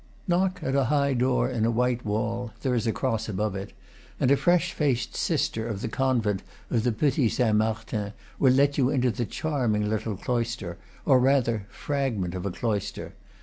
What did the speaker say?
Knock at a high door in a white wall (there is a cross above it), and a fresh faced sister of the convent of the Petit Saint Martin will let you into the charming little cloister, or rather fragment of a cloister.